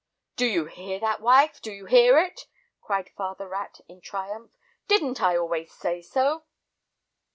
"Do you hear that, wife, do you hear it?" cried father rat in triumph. "Didn't I always say so?"